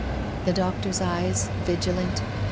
The doctor's eyes, vigilant